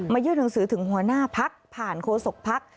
มายื่นหนังสือถึงหัวหน้าพักผ่านโคศกพัก